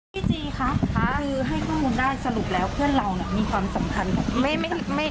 พี่จี๊คะค่ะคือให้ข้องคุณได้สรุปแล้วเพื่อนเราน่ะมีความสำคัญของพี่